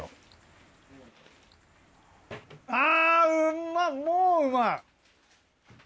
あぁうまっもううまい。